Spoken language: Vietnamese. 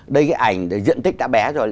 đây cái ảnh diện tích đã bé rồi